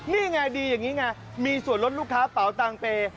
นี่ไงดีอย่างนี้ไงมีส่วนลดลูกค้าเป๋าตังเปย์